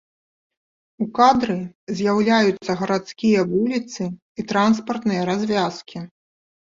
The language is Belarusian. У кадры з'яўляюцца гарадскія вуліцы і транспартныя развязкі.